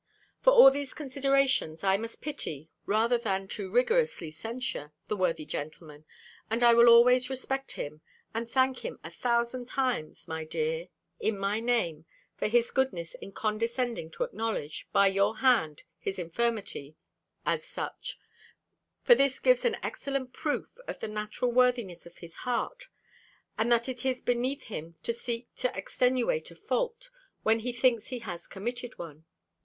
For all these considerations, I must pity, rather than too rigorously censure, the worthy gentleman, and I will always respect him. And thank him a thousand times, my dear, in my name, for his goodness in condescending to acknowledge, by your hand, his infirmity, as such; for this gives an excellent proof of the natural worthiness of his heart; and that it is beneath him to seek to extenuate a fault, when he thinks he has committed one.